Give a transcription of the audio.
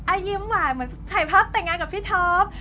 ยิ้มหวานเหมือนถ่ายภาพแต่งงานกับพี่ท็อป